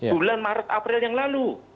bulan maret april yang lalu